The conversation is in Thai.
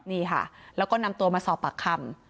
นี่ค่ะแล้วก็นำตัวมาสอบปากคำ